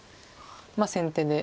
まあ先手で。